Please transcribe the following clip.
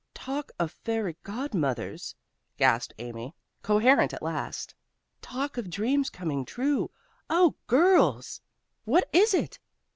"Talk of fairy godmothers!" gasped Amy, coherent at last. "Talk of dreams coming true! Oh, girls!" "What is it?"